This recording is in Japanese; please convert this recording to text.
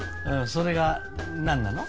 それが何なの？